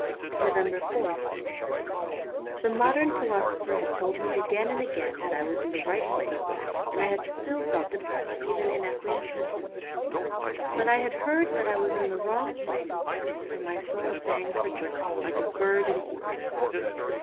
343 NOVEMBER 4th 'HE modern philosopher had told me again and T" again that I was in the right place, and I had still felt depressed even in acquiescence. But I had heard that I was in the wrong place, and my soul sang for joy, like a bird in spring.